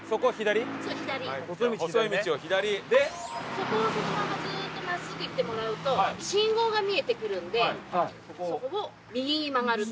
そこをそのままずーっと真っすぐ行ってもらうと信号が見えてくるのでそこを右に曲がると。